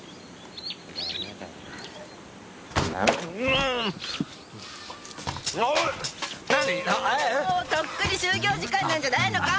もうとっくに就業時間なんじゃないのか！